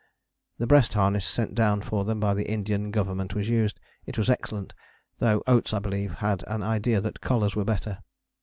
The breast harness sent down for them by the Indian Government was used: it was excellent; though Oates, I believe, had an idea that collars were better.